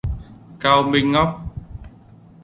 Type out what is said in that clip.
Cao Minh Ngoc